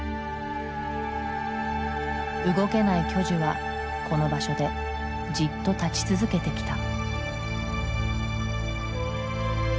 動けない巨樹はこの場所でじっと立ち続けてきた。